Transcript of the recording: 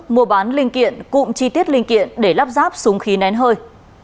mua bán linh kiện cụm chi tiết linh kiện để lắp ráp súng khí nén hơi